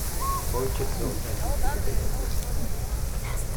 "Ojciec zaoszczędził trochę pieniędzy."